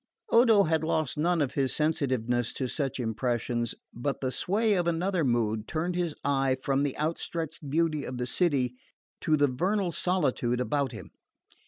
Odo had lost none of his sensitiveness to such impressions; but the sway of another mood turned his eye from the outstretched beauty of the city to the vernal solitude about him.